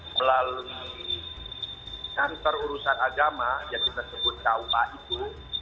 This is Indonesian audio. melalui kantor urusan agama yang disebut cawpa itu